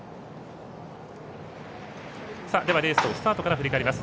レースをスタートから振り返ります。